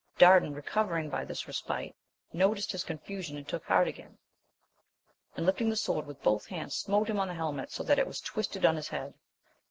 Dardan, recovering by this respite, noticed his confusion and took heart again ; and, lifting the sword with both hands, smote him on the helmet so that it was twisted on his head.